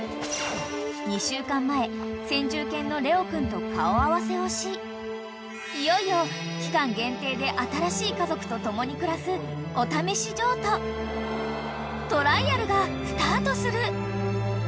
［２週間前先住犬のレオ君と顔合わせをしいよいよ期間限定で新しい家族と共に暮らすお試し譲渡トライアルがスタートする］